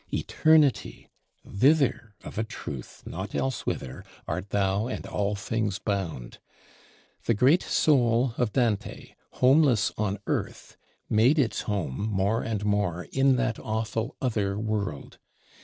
ETERNITY: thither, of a truth, not elsewhither, art thou and all things bound! The great soul of Dante, homeless on earth, made its home more and more in that awful other world.